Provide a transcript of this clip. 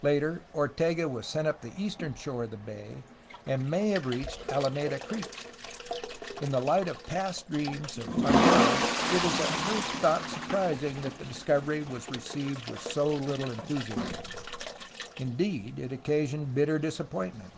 Later, Ortega was sent up the eastern shore of the bay, and may have reached Alameda Creek. In the light of past dreams of Anidn it is at first thought surprising that the discovery was received with so little enthusiasm; indeed, it occasioned bitter disappointment.